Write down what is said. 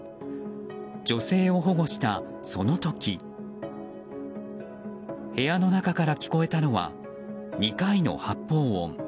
女性を保護した、その時部屋の中から聞こえたのは２回の発砲音。